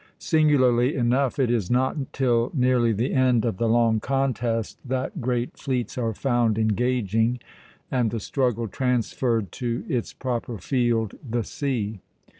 Singularly enough it is not till nearly the end of the long contest that great fleets are found engaging, and the struggle transferred to its proper field, the sea.